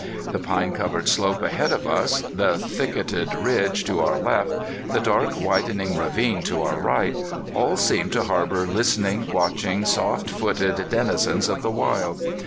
The pine covered slope ahead of us, the thicketed ridge to our left, the dark, widening ravine to our right, all seemed to harbor listening, watching, soft footed denizens of the wild.